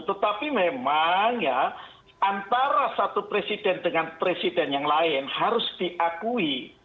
tetapi memang ya antara satu presiden dengan presiden yang lain harus diakui